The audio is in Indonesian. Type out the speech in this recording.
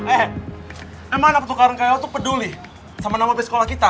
eh emang anak tukang orang kaya lo peduli sama nama dari sekolah kita